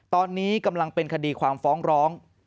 ตอนนี้กำลังเป็นคดีความฟ้องร้อง